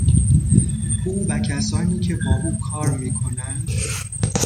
او و کسانی که با او کار میکنند